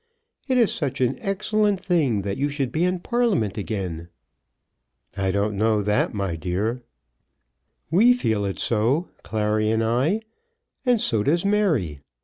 It is such an excellent thing that you should be in Parliament again." "I don't know that, my dear." "We feel it so, Clary and I, and so does Mary.